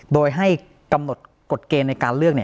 โดยให้กำหนดกฎเกณฑ์ในการเลือก